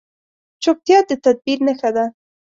چپتیا، د تدبیر نښه ده.